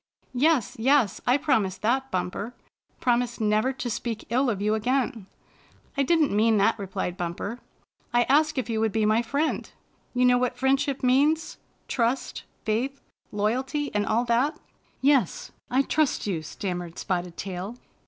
Yes, yes, I promise that. Bumper — ^promise never to speak ill of you again." ''I didn't paean that," replied Bumper. "I asked if you would be my friend. You know what friendship means? — ^trust, faith, loyalty, and all that?" "Yes, I trust you," stammered Spotted Tail.